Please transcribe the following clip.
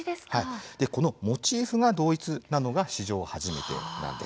このモチーフが同一なのは史上初めてです。